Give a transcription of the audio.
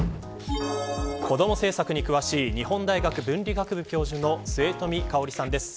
子ども政策に詳しい日本大学文理学部教授の末冨芳さんです。